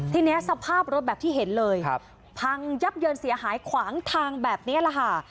ทีนี้สภาพรถแบบที่เห็นเลยพังยับเยินเสียหายขวางทางแบบนี้แหละค่ะ